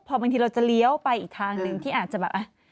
พอบางทีเราจะเลี้ยวไปอีกทางหนึ่งที่อาจจะแบบ